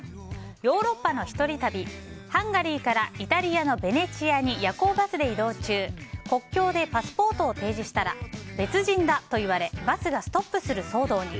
ヨーロッパの１人旅ハンガリーからベネチアに夜行バスで移動中国境でパスポートを提示したら別人だといわれバスがストップする騒動に。